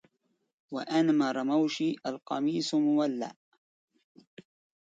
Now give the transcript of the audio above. وأنمر موشي القميص مولع